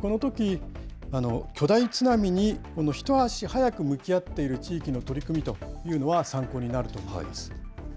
このとき、巨大津波に一足早く向き合っている地域の取り組みというのが参考になると思います。